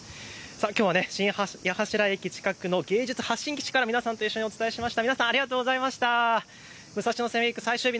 きょうは新八柱駅近くの芸術発信基地から皆さんとお伝えしました。